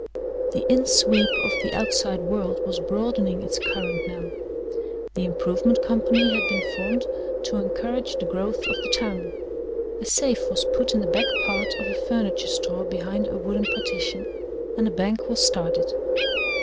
XVI The in sweep of the outside world was broadening its current now. The improvement company had been formed to encourage the growth of the town. A safe was put in the back part of a furniture store behind a wooden partition and a bank was started.